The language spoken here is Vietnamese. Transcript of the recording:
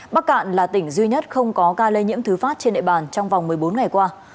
bắc cạn là tỉnh duy nhất không có ca lây nhiễm thứ phát trên địa bàn trong vòng một mươi bốn ngày qua